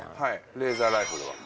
レーザーライフルは。